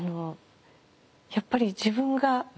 やっぱり自分が。